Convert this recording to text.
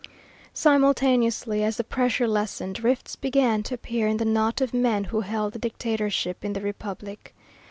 Simultaneously, as the pressure lessened, rifts began to appear in the knot of men who held the Dictatorship in the Republic.